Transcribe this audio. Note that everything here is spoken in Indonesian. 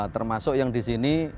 termasuk yang di sini